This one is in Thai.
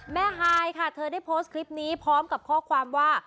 ฮายค่ะเธอได้โพสต์คลิปนี้พร้อมกับข้อความว่า